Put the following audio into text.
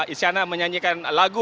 isyana menyanyikan lagu